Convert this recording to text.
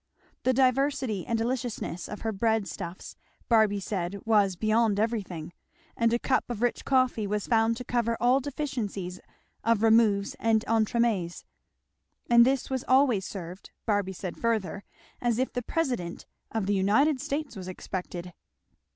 The diversity and deliciousness of her bread stuffs, Barby said, was "beyond everything!" and a cup of rich coffee was found to cover all deficiencies of removes and entremêts; and this was always served, Barby said further, as if the President of the United States was expected.